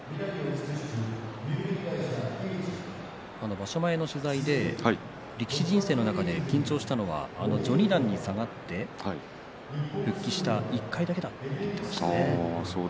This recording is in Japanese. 場所前の取材で力士人生の中で緊張したのは序二段に下がって復帰した１回だけだと言っていましたね。